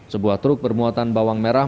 sebuah truk bermuatan bawang merah